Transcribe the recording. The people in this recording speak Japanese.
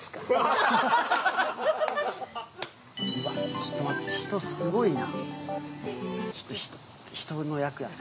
ちょっと待って、人、すごいな。